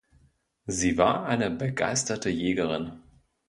Sie war eine begeisterte Jägerin.